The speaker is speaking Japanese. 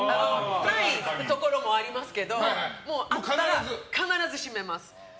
ないところもありますけどあったら必ず閉めます。